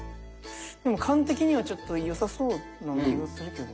勘的にはちょっとよさそうな気がするけど。